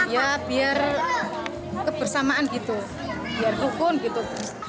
ya biar kebersamaan gitu biar rukun gitu